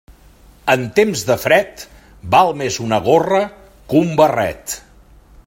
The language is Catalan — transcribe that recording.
En temps de fred, val més una gorra que un barret.